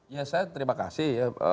ya saya terima kasih ya